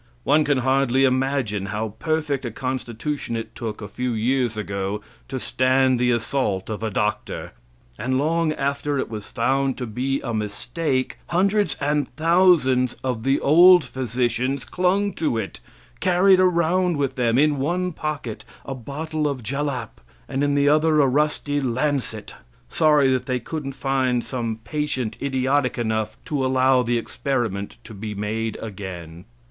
One can hardly imagine how perfect a constitution it took a few years ago to stand the assault of a doctor. And long after it was found to be a mistake, hundreds and thousands of the old physicians clung to it, carried around with them, in one pocket, a bottle of jalap, and in the other a rusty lancet, sorry that they couldn't find some patient idiotic enough to allow the experiment to be made again.